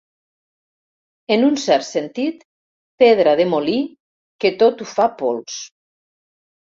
En un cert sentit, pedra de molí que tot ho fa pols.